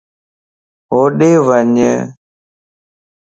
ھوڏي وڃ